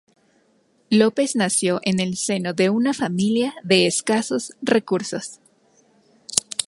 Lopez nació en el seno de una familia de escasos recursos.